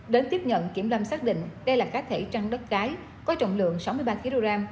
đến tiếp nhận kiểm lâm xác định đây là cá thể trăng đất đá có trọng lượng sáu mươi ba kg